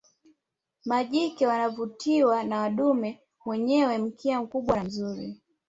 Majike wanavutiwa na dume mwenyewe mkia mkubwa na mzuri